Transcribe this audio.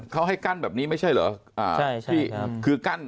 เขาให้กั้นแบบนี้ไม่ใช่เหรอใช่ใช่คือกั้น